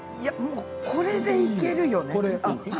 これで、いけるよね。